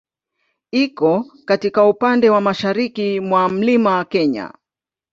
Iko katika upande wa mashariki mwa Mlima Kenya.